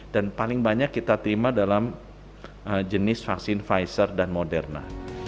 dan paling banyak kita terima dalam jenis vaksin pfizer dan moderna